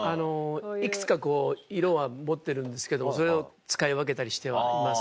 いくつか色は持ってるんですけどそれを使い分けたりしてはいます。